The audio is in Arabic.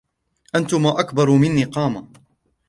أنتما أكبر مني قامة.